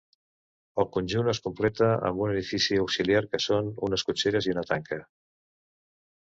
El conjunt es completa amb un edifici auxiliar que són unes cotxeres i una tanca.